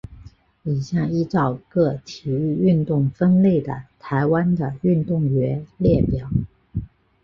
以下依照各体育运动分类的台湾的运动员列表。